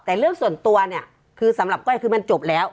แต่เรื่องส่วนตัวเนี่ยคือสำหรับก้อยคือมันจบแล้ว